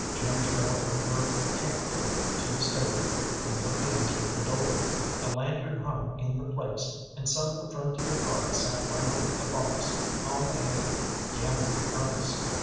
Jim trailed over cat foot to the stable and looked in through the door. A lantern hung in the place, and some of the Frontier Guards sat round a box on the hay gambling earnest.